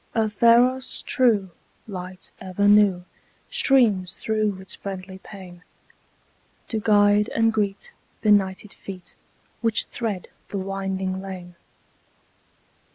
A pharos true, light ever new Streams through its friendly pane, To guide and greet benighted feet Which thread the winding lane.